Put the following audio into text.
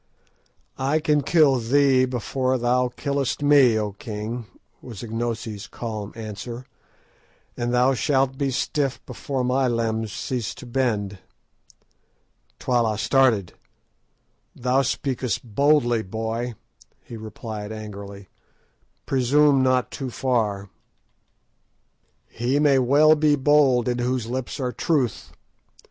"I can kill thee before thou killest me, O king," was Ignosi's calm answer, "and thou shalt be stiff before my limbs cease to bend." Twala started. "Thou speakest boldly, boy," he replied angrily; "presume not too far." "He may well be bold in whose lips are truth.